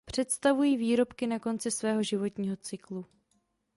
Představují výrobky na konci svého životního cyklu.